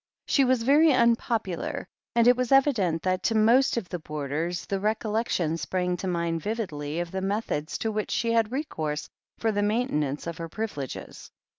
She was very unpopular, and it was evident that to most of the boarders the recollection sprang to mind vividly of the methods to which she had recourse for the maintenance of her privileges.